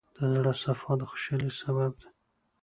د زړۀ صفا د خوشحالۍ سبب دی.